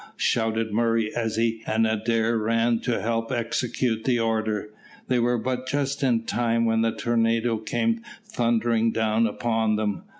shouted Murray, as he and Adair ran to help execute the order. They were but just in time when the tornado came thundering down upon them.